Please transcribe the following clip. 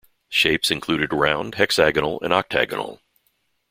Shapes included round, hexagonal and octagonal.